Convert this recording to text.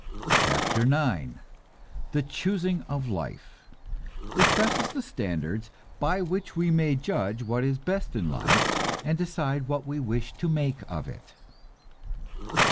CHAPTER IX THE CHOOSING OF LIFE (Discusses the standards by which we may judge what is best in life, and decide what we wish to make of it.)